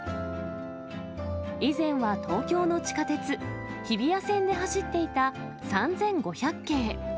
以前は東京の地下鉄、日比谷線で走っていた３５００系。